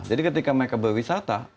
jadi ketika mereka berwisata